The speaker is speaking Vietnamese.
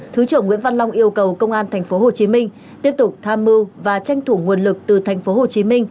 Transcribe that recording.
thứ trưởng nguyễn văn long yêu cầu công an tp hcm tiếp tục tham mưu và tranh thủ nguồn lực từ tp hcm